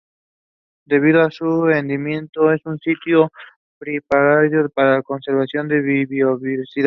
Debido a su endemismo, es un sitio prioritario para la conservación de la biodiversidad.